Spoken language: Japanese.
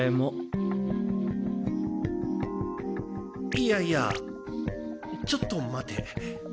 いやいやちょっと待て。